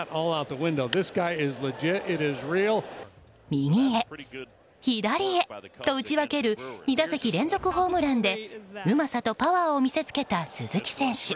右へ、左へと打ち分ける２打席連続ホームランでうまさとパワーを見せつけた鈴木選手。